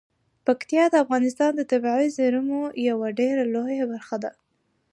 پکتیکا د افغانستان د طبیعي زیرمو یوه ډیره لویه برخه ده.